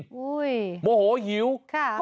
โอ้ยโมโหหิวครับ